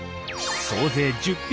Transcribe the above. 総勢１０匹。